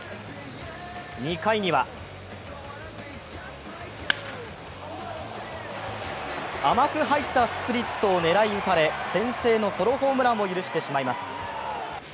２回には甘く入ったスプリットを狙い打たれ先制のソロホームランを許してしまいます。